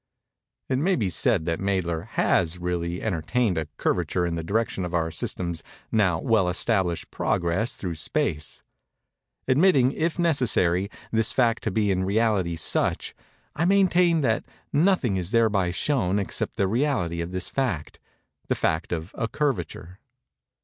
It may be said that Mädler has really ascertained a curvature in the direction of our system's now well established progress through Space. Admitting, if necessary, this fact to be in reality such, I maintain that nothing is thereby shown except the reality of this fact—the fact of a curvature.